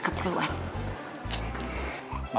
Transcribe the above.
mama pasti mau cari kakak